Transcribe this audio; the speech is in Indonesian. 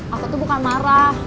aku tuh bukan marah